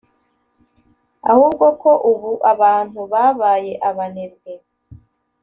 ahubwo ko ubu abantu babaye abanebwe